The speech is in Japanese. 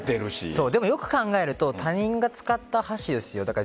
よく考えると他人が使った箸ですよ。